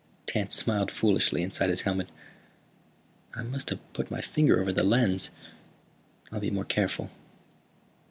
Tance smiled foolishly inside his helmet. "I must have put my finger over the lens. I'll be more careful."